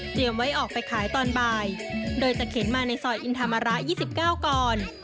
เตรียมไว้ออกไปขายตอนบ่ายโดยจะเข็นมาในสอยอินทรมาระยี่สิบเก้าก่อน